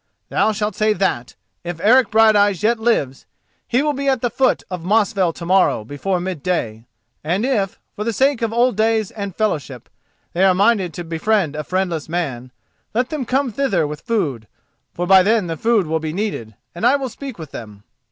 Thou shalt say that, if Eric Brighteyes yet lives, he will be at the foot of Mosfell to morrow before midday, and if, for the sake of old days and fellowship, they are minded to befriend a friendless man, let them come thither with food, for by then food will be needed, and I will speak with them.